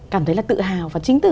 cảm thấy là tự hào và chính từ